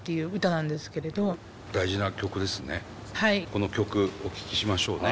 この曲お聴きしましょうね。